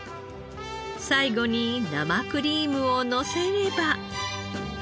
最後に生クリームをのせれば。